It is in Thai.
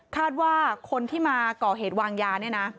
คาดว่าคนที่มาก่อเหตุวางยาเนี่ยนะ